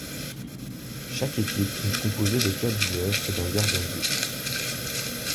Chaque équipe est composée de quatre joueurs et d'un gardien de but.